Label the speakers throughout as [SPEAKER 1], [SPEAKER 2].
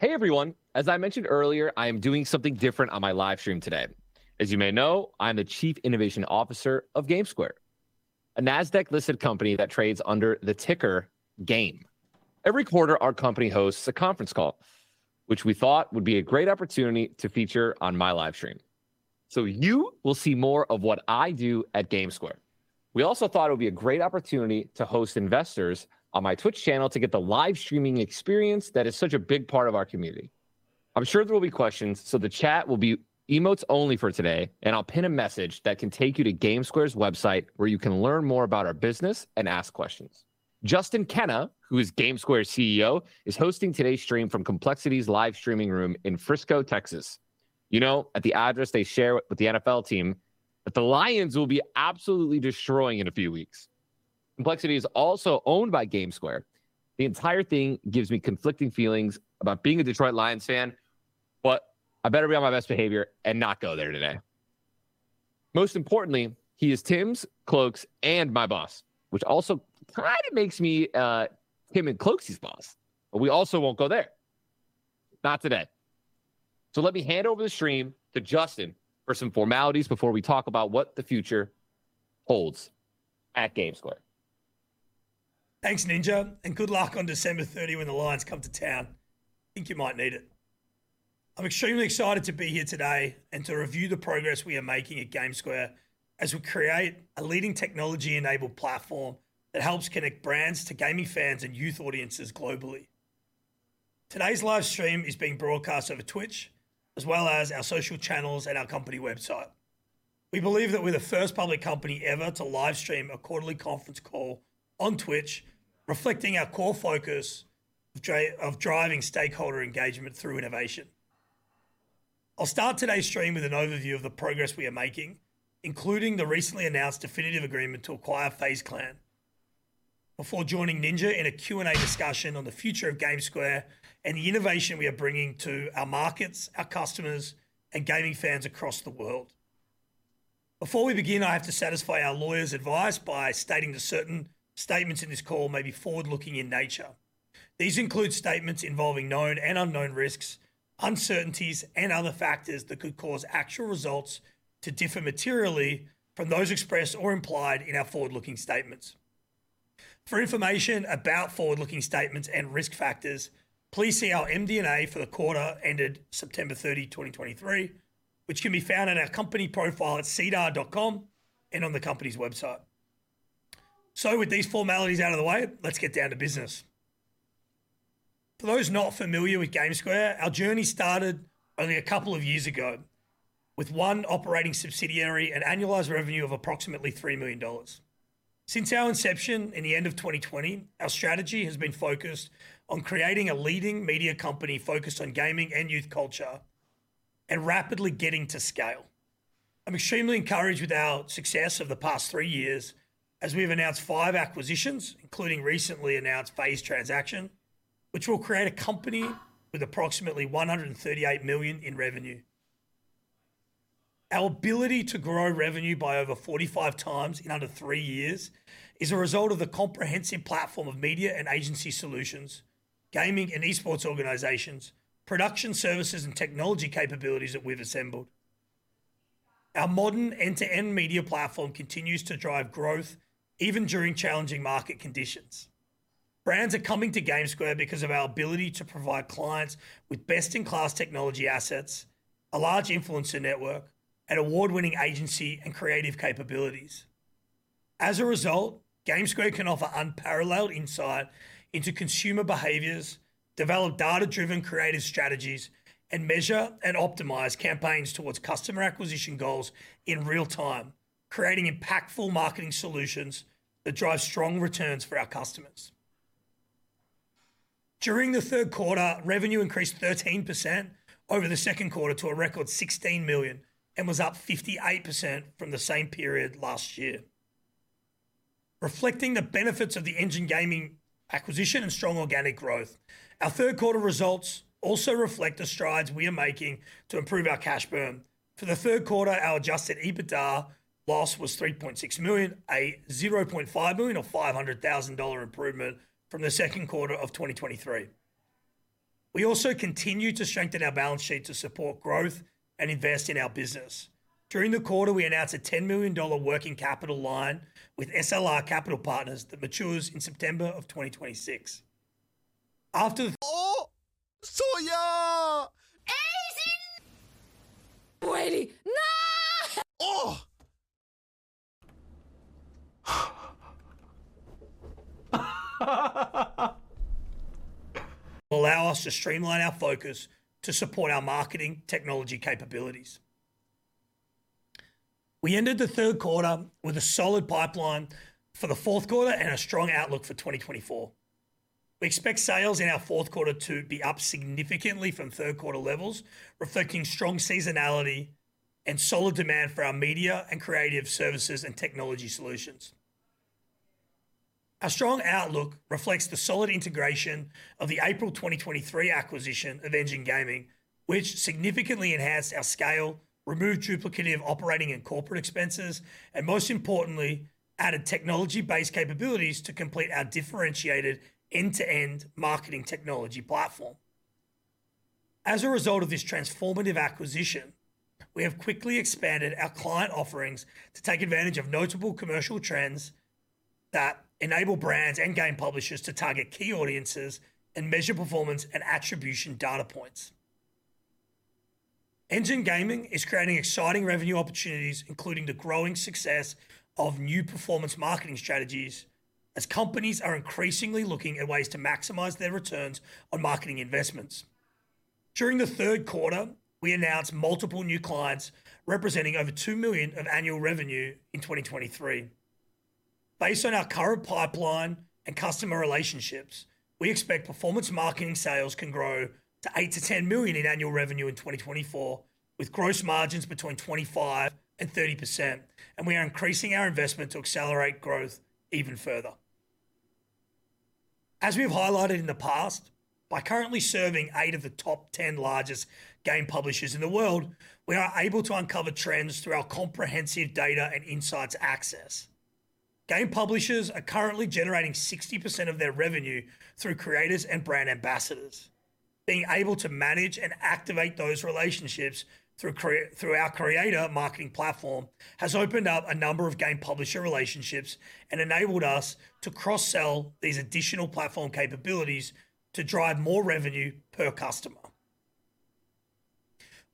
[SPEAKER 1] Hey, everyone. As I mentioned earlier, I am doing something different on my live stream today. As you may know, I'm the Chief Innovation Officer of GameSquare, a Nasdaq-listed company that trades under the ticker GAME. Every quarter, our company hosts a conference call, which we thought would be a great opportunity to feature on my live stream, so you will see more of what I do at GameSquare. We also thought it would be a great opportunity to host investors on my Twitch channel to get the live streaming experience that is such a big part of our community. I'm sure there will be questions, so the chat will be emotes only for today, and I'll pin a message that can take you to GameSquare's website, where you can learn more about our business and ask questions. Justin Kenna, who is GameSquare's CEO, is hosting today's stream from Complexity's live streaming room in Frisco, Texas. You know, at the address they share with the NFL team that the Lions will be absolutely destroying in a few weeks. Complexity is also owned by GameSquare. The entire thing gives me conflicting feelings about being a Detroit Lions fan, but I better be on my best behavior and not go there today. Most importantly, he is Tim's, Cloak's, and my boss, which also kind of makes me, him and Cloak's boss, but we also won't go there. Not today. So let me hand over the stream to Justin for some formalities before we talk about what the future holds at GameSquare.
[SPEAKER 2] Thanks, Ninja, and good luck on December 30 when the Lions come to town. I think you might need it. I'm extremely excited to be here today and to review the progress we are making at GameSquare as we create a leading technology-enabled platform that helps connect brands to gaming fans and youth audiences globally. Today's live stream is being broadcast over Twitch, as well as our social channels and our company website. We believe that we're the first public company ever to live stream a quarterly conference call on Twitch, reflecting our core focus of driving stakeholder engagement through innovation. I'll start today's stream with an overview of the progress we are making, including the recently announced definitive agreement to acquire FaZe Clan, before joining Ninja in a Q&A discussion on the future of GameSquare and the innovation we are bringing to our markets, our customers, and gaming fans across the world. Before we begin, I have to satisfy our lawyers' advice by stating that certain statements in this call may be forward-looking in nature. These include statements involving known and unknown risks, uncertainties, and other factors that could cause actual results to differ materially from those expressed or implied in our forward-looking statements. For information about forward-looking statements and risk factors, please see our MD&A for the quarter ended September 30, 2023, which can be found on our company profile at SEDAR.com and on the company's website. So with these formalities out of the way, let's get down to business. For those not familiar with GameSquare, our journey started only a couple of years ago with one operating subsidiary and annualized revenue of approximately $3 million. Since our inception in the end of 2020, our strategy has been focused on creating a leading media company focused on gaming and youth culture and rapidly getting to scale. I'm extremely encouraged with our success over the past three years, as we've announced five acquisitions, including recently announced FaZe transaction, which will create a company with approximately $138 million in revenue. Our ability to grow revenue by over 45x in under three years is a result of the comprehensive platform of media and agency solutions, gaming and esports organizations, production services, and technology capabilities that we've assembled. Our modern end-to-end media platform continues to drive growth even during challenging market conditions. Brands are coming to GameSquare because of our ability to provide clients with best-in-class technology assets, a large influencer network, and award-winning agency and creative capabilities. As a result, GameSquare can offer unparalleled insight into consumer behaviors, develop data-driven creative strategies, and measure and optimize campaigns towards customer acquisition goals in real time, creating impactful marketing solutions that drive strong returns for our customers. During the third quarter, revenue increased 13% over the second quarter to a record $16 million and was up 58% from the same period last year, reflecting the benefits of the Engine Gaming acquisition and strong organic growth. Our third quarter results also reflect the strides we are making to improve our cash burn. For the third quarter, our Adjusted EBITDA loss was $3.6 million, a $0.5 million or $500,000 improvement from the second quarter of 2023. We also continued to strengthen our balance sheet to support growth and invest in our business. During the quarter, we announced a $10 million working capital line with SLR Capital Partners that matures in September of 2026. After-will allow us to streamline our focus to support our marketing technology capabilities. We ended the third quarter with a solid pipeline for the fourth quarter and a strong outlook for 2024. We expect sales in our fourth quarter to be up significantly from third quarter levels, reflecting strong seasonality and solid demand for our media and creative services and technology solutions. Our strong outlook reflects the solid integration of the April 2023 acquisition of Engine Gaming, which significantly enhanced our scale, removed duplicative operating and corporate expenses, and most importantly, added technology-based capabilities to complete our differentiated end-to-end marketing technology platform. As a result of this transformative acquisition, we have quickly expanded our client offerings to take advantage of notable commercial trends that enable brands and game publishers to target key audiences and measure performance and attribution data points. Engine Gaming is creating exciting revenue opportunities, including the growing success of new performance marketing strategies, as companies are increasingly looking at ways to maximize their returns on marketing investments. During the third quarter, we announced multiple new clients, representing over $2 million in annual revenue in 2023. Based on our current pipeline and customer relationships, we expect performance marketing sales can grow to $8 million-$10 million in annual revenue in 2024, with gross margins between 25% and 30%, and we are increasing our investment to accelerate growth even further. As we've highlighted in the past, by currently serving eight of the top 10 largest game publishers in the world, we are able to uncover trends through our comprehensive data and insights access. Game publishers are currently generating 60% of their revenue through creators and brand ambassadors. Being able to manage and activate those relationships through our creator marketing platform has opened up a number of game publisher relationships and enabled us to cross-sell these additional platform capabilities to drive more revenue per customer.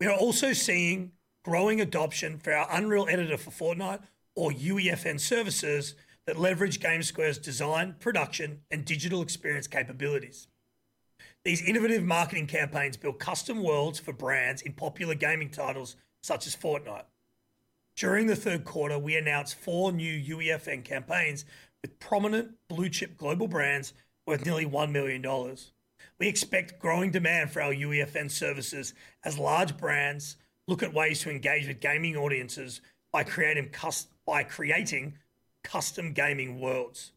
[SPEAKER 2] We are also seeing growing adoption for our Unreal Editor for Fortnite, or UEFN, services that leverage GameSquare's design, production, and digital experience capabilities. These innovative marketing campaigns build custom worlds for brands in popular gaming titles such as Fortnite. During the third quarter, we announced four new UEFN campaigns with prominent blue-chip global brands worth nearly $1 million. We expect growing demand for our UEFN services as large brands look at ways to engage with gaming audiences by creating custom gaming worlds.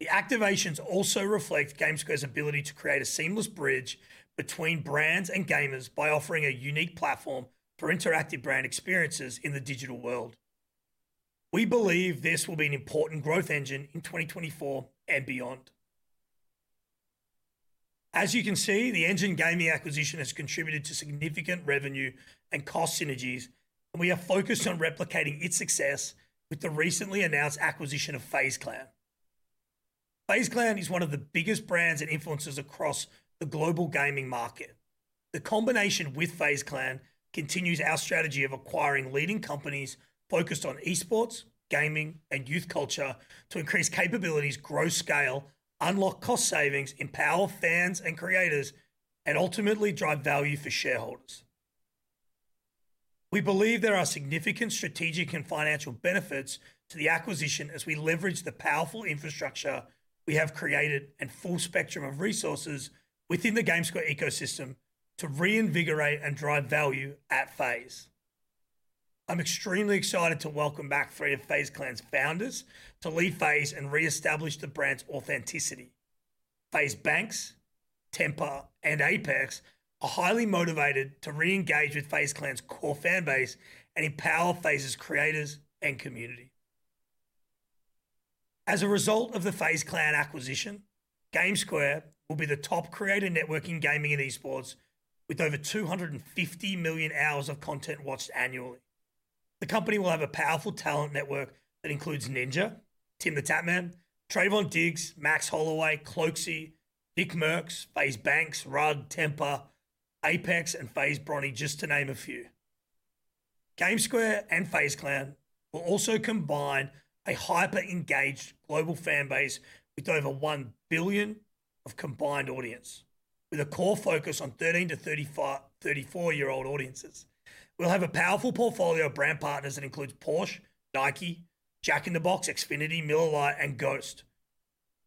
[SPEAKER 2] The activations also reflect GameSquare's ability to create a seamless bridge between brands and gamers by offering a unique platform for interactive brand experiences in the digital world. We believe this will be an important growth engine in 2024 and beyond. As you can see, the Engine Gaming acquisition has contributed to significant revenue and cost synergies, and we are focused on replicating its success with the recently announced acquisition of FaZe Clan. FaZe Clan is one of the biggest brands and influencers across the global gaming market. The combination with FaZe Clan continues our strategy of acquiring leading companies focused on esports, gaming, and youth culture to increase capabilities, grow scale, unlock cost savings, empower fans and creators, and ultimately drive value for shareholders. We believe there are significant strategic and financial benefits to the acquisition as we leverage the powerful infrastructure we have created and full spectrum of resources within the GameSquare ecosystem to reinvigorate and drive value at FaZe. I'm extremely excited to welcome back three of FaZe Clan's founders to lead FaZe and reestablish the brand's authenticity. FaZe Banks, Temperrr, and Apex are highly motivated to reengage with FaZe Clan's core fan base and empower FaZe's creators and community. As a result of the FaZe Clan acquisition, GameSquare will be the top creator network in gaming and esports, with over 250 million hours of content watched annually. The company will have a powerful talent network that includes Ninja, TimTheTatman, Trevon Diggs, Max Holloway, Cloakzy, NICKMERCS, FaZe Banks, Rug, Temperrr, Apex, and FaZe Bronny, just to name a few. GameSquare and FaZe Clan will also combine a hyper-engaged global fan base with over one billion of combined audience, with a core focus on 13- to 34-year-old audiences. We'll have a powerful portfolio of brand partners that includes Porsche, Nike, Jack in the Box, Xfinity, Miller Lite, and Ghost.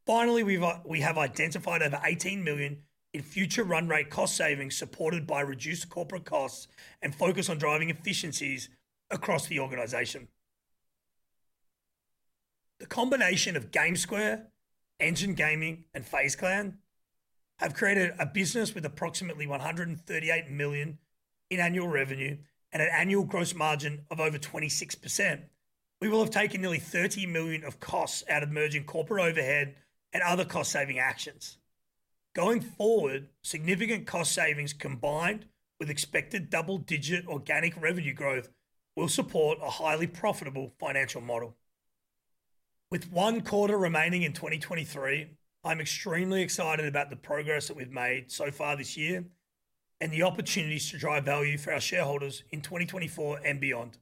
[SPEAKER 2] Finally, we have identified over $18 million in future run rate cost savings, supported by reduced corporate costs and focus on driving efficiencies across the organization. The combination of GameSquare, Engine Gaming, and FaZe Clan have created a business with approximately $138 million in annual revenue and an annual gross margin of over 26%. We will have taken nearly $30 million of costs out of merging corporate overhead and other cost-saving actions. Going forward, significant cost savings combined with expected double-digit organic revenue growth will support a highly profitable financial model. With one quarter remaining in 2023, I'm extremely excited about the progress that we've made so far this year, and the opportunities to drive value for our shareholders in 2024 and beyond.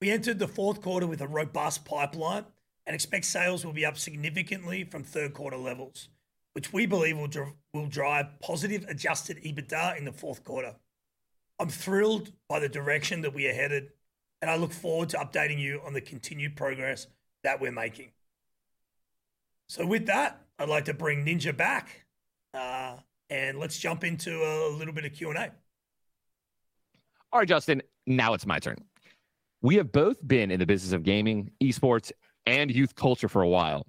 [SPEAKER 2] We entered the fourth quarter with a robust pipeline and expect sales will be up significantly from third quarter levels, which we believe will drive positive adjusted EBITDA in the fourth quarter. I'm thrilled by the direction that we are headed, and I look forward to updating you on the continued progress that we're making. So with that, I'd like to bring Ninja back, and let's jump into a little bit of Q&A.
[SPEAKER 1] All right, Justin, now it's my turn. We have both been in the business of gaming, esports, and youth culture for a while...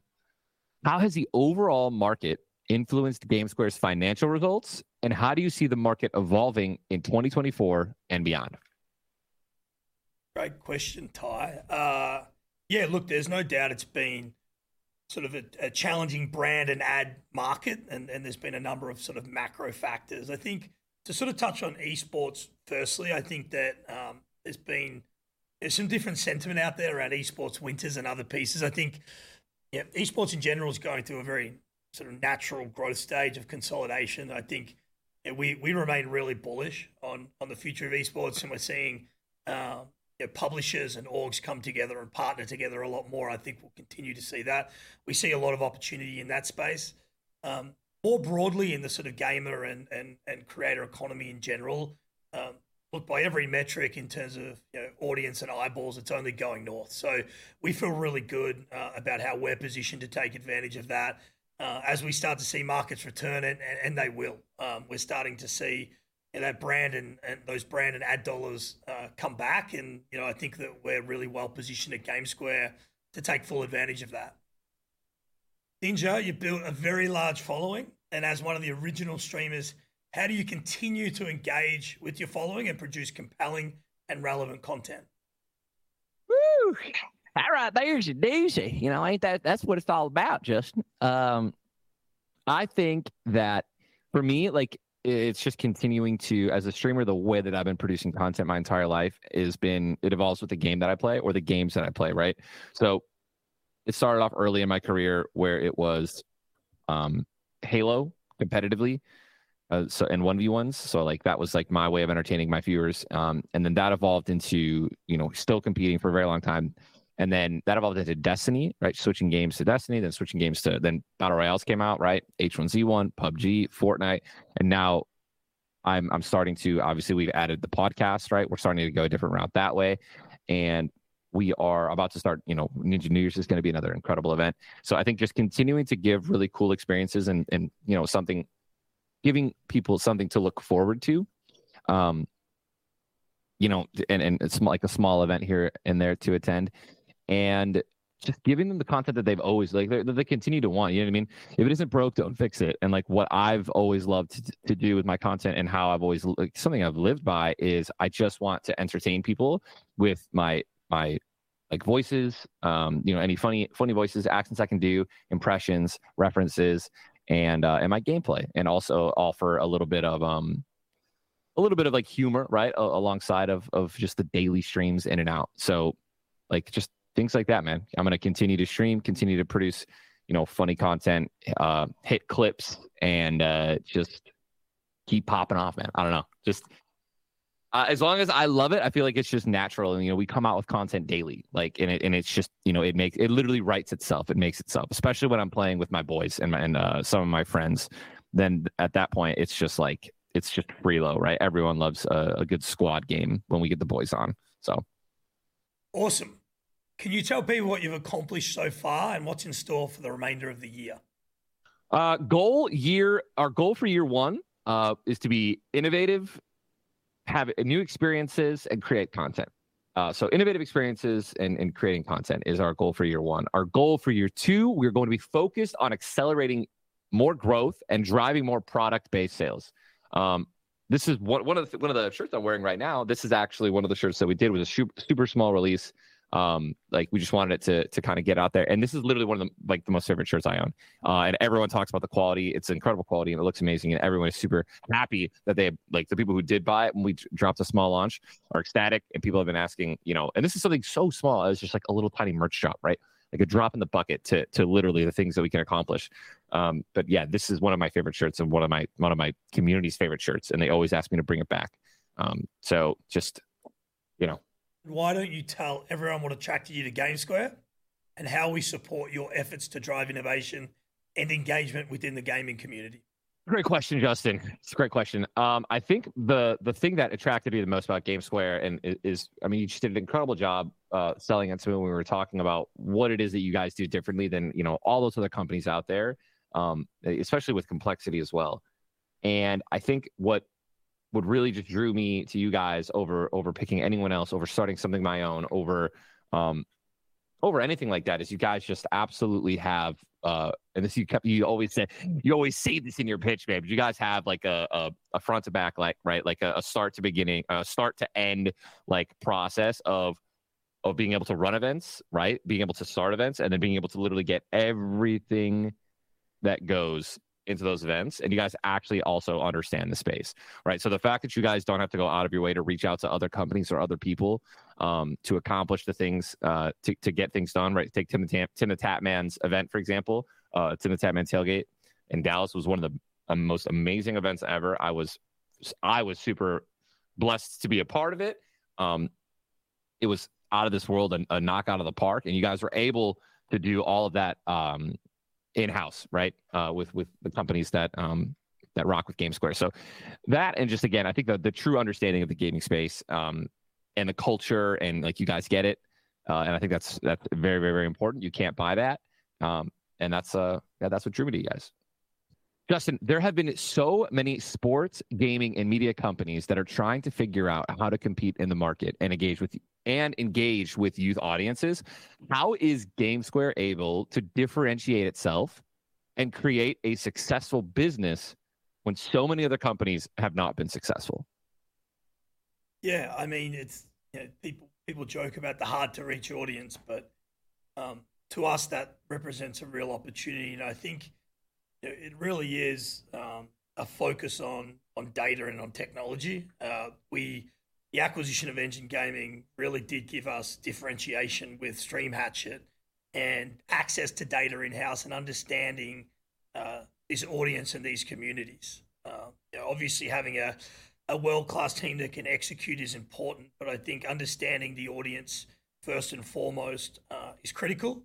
[SPEAKER 1] How has the overall market influenced GameSquare's financial results, and how do you see the market evolving in 2024 and beyond?
[SPEAKER 2] Great question, Tyler. Yeah, look, there's no doubt it's been sort of a challenging brand and ad market, and there's been a number of sort of macro factors. I think to sort of touch on esports firstly, I think that there's some different sentiment out there around esports winters and other pieces. I think, yeah, esports in general is going through a very sort of natural growth stage of consolidation, and I think we remain really bullish on the future of esports, and we're seeing, yeah, publishers and orgs come together and partner together a lot more. I think we'll continue to see that. We see a lot of opportunity in that space. More broadly, in the sort of gamer and creator economy in general, look, by every metric in terms of, you know, audience and eyeballs, it's only going north. So we feel really good about how we're positioned to take advantage of that, as we start to see markets return, and they will. We're starting to see, you know, that brand and those brand and ad dollars come back, and, you know, I think that we're really well positioned at GameSquare to take full advantage of that. Ninja, you've built a very large following, and as one of the original streamers, how do you continue to engage with your following and produce compelling and relevant content?
[SPEAKER 1] Whoo! All right, there's your doozy. You know, ain't that - that's what it's all about, Justin. I think that for me, like, it's just continuing to... As a streamer, the way that I've been producing content my entire life has been - it evolves with the game that I play or the games that I play, right? So it started off early in my career, where it was, Halo competitively, so, and 1v1s, so, like, that was, like, my way of entertaining my viewers. And then that evolved into, you know, still competing for a very long time, and then that evolved into Destiny, right? Switching games to Destiny, then switching games to - then Battle Royales came out, right? H1Z1, PUBG, Fortnite, and now I'm starting to - obviously, we've added the podcast, right? We're starting to go a different route that way, and we are about to start, you know, Ninja New Year's is going to be another incredible event. So I think just continuing to give really cool experiences and, you know, giving people something to look forward to. You know, it's, like, a small event here and there to attend, and just giving them the content that they've always, like, they continue to want, you know what I mean? If it isn't broke, don't fix it. Like, what I've always loved to do with my content like something I've lived by is I just want to entertain people with my like voices, you know, any funny funny voices, accents I can do, impressions, references, and and my gameplay, and also offer a little bit of a little bit of like humor, right? Alongside of just the daily streams in and out. So, like, just things like that, man. I'm gonna continue to stream, continue to produce, you know, funny content, hit clips, and just keep popping off, man. I don't know. Just as long as I love it, I feel like it's just natural, and you know we come out with content daily, like, and it and it's just you know it makes it literally writes itself. It makes itself, especially when I'm playing with my boys and my, and, some of my friends. Then at that point, it's just like, it's just reload, right? Everyone loves a good squad game when we get the boys on, so...
[SPEAKER 2] Awesome. Can you tell people what you've accomplished so far and what's in store for the remainder of the year?
[SPEAKER 1] Our goal for year one is to be innovative, have new experiences, and create content. So innovative experiences and creating content is our goal for year one. Our goal for year two, we're going to be focused on accelerating more growth and driving more product-based sales. This is one of the shirts I'm wearing right now. This is actually one of the shirts that we did. It was a super small release. Like, we just wanted it to kind of get out there, and this is literally one of the, like, the most favorite shirts I own. And everyone talks about the quality. It's incredible quality, and it looks amazing, and everyone is super happy that they... Like, the people who did buy it when we dropped a small launch are ecstatic, and people have been asking, you know. And this is something so small. It was just, like, a little tiny merch shop, right? Like a drop in the bucket to literally the things that we can accomplish. But yeah, this is one of my favorite shirts and one of my community's favorite shirts, and they always ask me to bring it back. So just, you know-
[SPEAKER 2] Why don't you tell everyone what attracted you to GameSquare, and how we support your efforts to drive innovation and engagement within the gaming community?
[SPEAKER 1] Great question, Justin. It's a great question. I think the thing that attracted me the most about GameSquare, and it is—I mean, you just did an incredible job selling it to me when we were talking about what it is that you guys do differently than, you know, all those other companies out there, especially with Complexity as well. And I think what really just drew me to you guys over picking anyone else, over starting something of my own, over anything like that, is you guys just absolutely have. And this you kept—you always say, you always say this in your pitch, babe. You guys have, like, a front-to-back, like, right, like, a start-to-beginning, a start-to-end, like, process of being able to run events, right? Being able to start events and then being able to literally get everything that goes into those events, and you guys actually also understand the space, right? So the fact that you guys don't have to go out of your way to reach out to other companies or other people, to accomplish the things, to get things done, right? Take TimTheTatMan's event, for example. TimTheTatman's Tailgate in Dallas was one of the most amazing events ever. I was super blessed to be a part of it. It was out of this world and a knockout of the park, and you guys were able to do all of that, in-house, right? With the companies that rock with GameSquare. So that, and just again, I think the, the true understanding of the gaming space, and the culture, and, like, you guys get it, and I think that's, that's very, very, very important. You can't buy that. And that's, yeah, that's what drew me to you guys... Justin, there have been so many sports, gaming, and media companies that are trying to figure out how to compete in the market and engage with youth audiences. How is GameSquare able to differentiate itself and create a successful business when so many other companies have not been successful?
[SPEAKER 2] Yeah, I mean, it's, you know, people, people joke about the hard-to-reach audience, but, to us, that represents a real opportunity. And I think it, it really is, a focus on, on data and on technology. The acquisition of Engine Gaming really did give us differentiation with Stream Hatchet and access to data in-house and understanding, this audience and these communities. Obviously, having a, a world-class team that can execute is important, but I think understanding the audience first and foremost, is critical.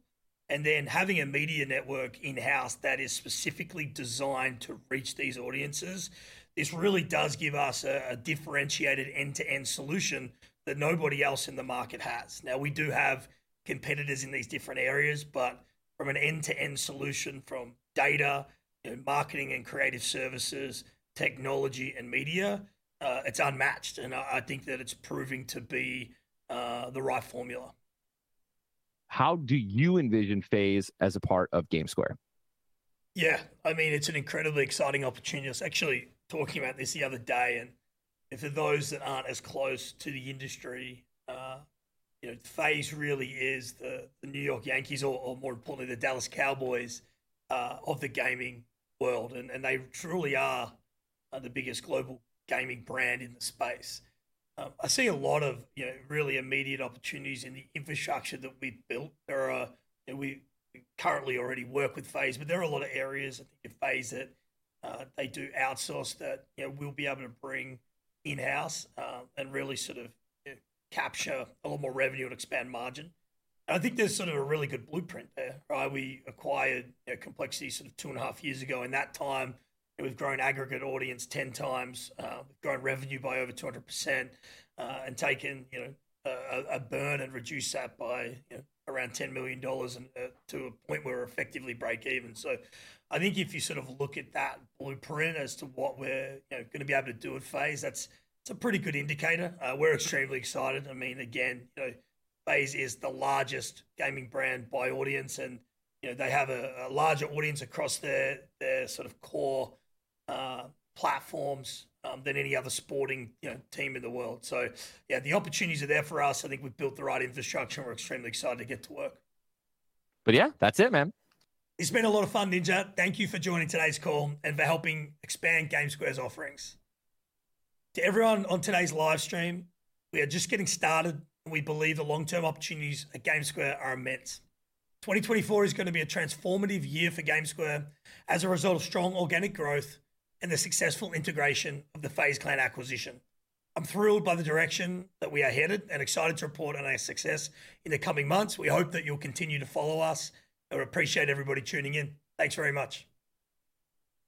[SPEAKER 2] And then having a media network in-house that is specifically designed to reach these audiences, this really does give us a, a differentiated end-to-end solution that nobody else in the market has. Now, we do have competitors in these different areas, but from an end-to-end solution, from data, and marketing and creative services, technology, and media, it's unmatched, and I, I think that it's proving to be, the right formula.
[SPEAKER 1] How do you envision FaZe as a part of GameSquare?
[SPEAKER 2] Yeah, I mean, it's an incredibly exciting opportunity. I was actually talking about this the other day, and for those that aren't as close to the industry, you know, FaZe really is the New York Yankees or, more importantly, the Dallas Cowboys of the gaming world. And they truly are the biggest global gaming brand in the space. I see a lot of, you know, really immediate opportunities in the infrastructure that we've built. There are, and we currently already work with FaZe, but there are a lot of areas in FaZe that they do outsource that, you know, we'll be able to bring in-house and really sort of capture a lot more revenue and expand margin. I think there's sort of a really good blueprint there, right? We acquired Complexity sort of two and a half years ago. In that time, we've grown aggregate audience 10x, grown revenue by over 200%, and taken, you know, a burn and reduced that by, you know, around $10 million and to a point where we're effectively break even. So I think if you sort of look at that blueprint as to what we're, you know, gonna be able to do with FaZe, that's - it's a pretty good indicator. We're extremely excited. I mean, again, you know, FaZe is the largest gaming brand by audience, and, you know, they have a larger audience across their sort of core platforms than any other sporting, you know, team in the world. So yeah, the opportunities are there for us. I think we've built the right infrastructure, and we're extremely excited to get to work.
[SPEAKER 1] Yeah, that's it, man.
[SPEAKER 2] It's been a lot of fun, Ninja. Thank you for joining today's call and for helping expand GameSquare's offerings. To everyone on today's live stream, we are just getting started, and we believe the long-term opportunities at GameSquare are immense. 2024 is gonna be a transformative year for GameSquare as a result of strong organic growth and the successful integration of the FaZe Clan acquisition. I'm thrilled by the direction that we are headed and excited to report on our success in the coming months. We hope that you'll continue to follow us. I appreciate everybody tuning in. Thanks very much.